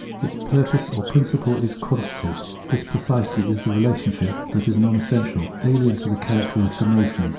Its purpose or principle is quantity. This is precisely the relationship that is non essential, alien to the character of the notion.